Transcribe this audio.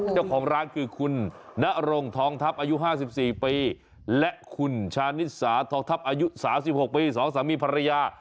เจ้าของร้านคือคุณนรงทองทัพอายุ๕๔ปีและคุณชานิสาทองทัพอายุ๓๖ปี๒สามีภรรยา